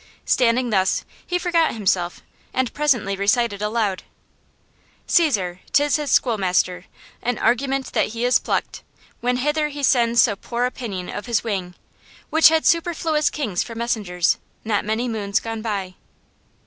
Standing thus, he forgot himself and presently recited aloud: 'Caesar, 'tis his schoolmaster: An argument that he is pluck'd, when hither He sends so poor a pinion of his wing, Which had superfluous kings for messengers Not many moons gone by.